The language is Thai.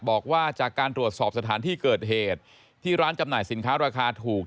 บอกว่าจากการตรวจสอบสถานที่เกิดเหตุที่ร้านจำหน่ายสินค้าราคาถูก